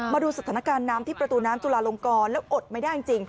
มาดูสถานการณ์น้ำที่ประตูน้ำจุลาลงกรแล้วอดไม่ได้จริง